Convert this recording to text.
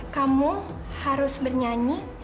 kamu harus bernyanyi